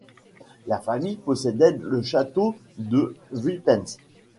La famille possédait le château de Vuippens.